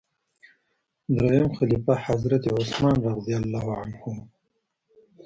دریم خلیفه حضرت عثمان رض و.